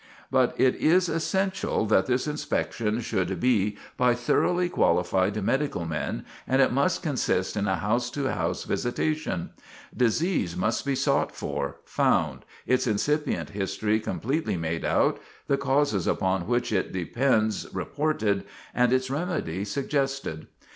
[Sidenote: Inspection Must Be Thorough] But it is essential that this inspection should be by thoroughly qualified medical men, and it must consist in a house to house visitation. Disease must be sought for, found, its incipient history completely made out, the causes upon which it depends reported, and its remedy suggested.